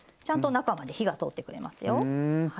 ちゃんと中まで火が通ってくれますよ。